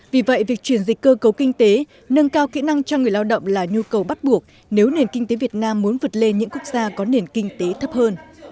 vì vậy việc chuyển dịch cơ cấu kinh tế nâng cao kỹ năng cho người lao động là nhu cầu bắt buộc nếu nền kinh tế việt nam muốn vượt lên những quốc gia có nền kinh tế thấp hơn